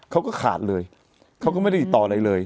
เขาก็ขาดเลยเขาก็ไม่ได้ติดต่ออะไรเลย